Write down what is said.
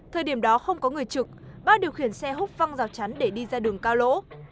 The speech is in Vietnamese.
thời điểm đó không có người trực bác điều khiển xe húc văng dọc chắn để đi ra đường cao lỗ